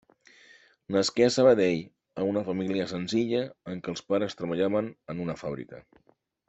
Nasqué a Sabadell en una família senzilla en què els pares treballaven en una fàbrica.